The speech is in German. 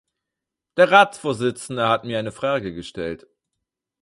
Der Ratsvorsitzende hat mir eine Frage gestellt.